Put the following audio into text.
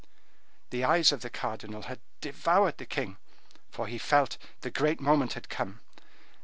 The eyes of the cardinal had devoured the king, for he felt the great moment had come.